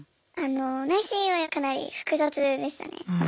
内心はかなり複雑でしたね。